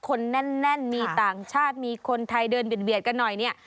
คนแน่นมีต่างชาติมีคนไทยเดินเบียดกันหน่อยเนี่ย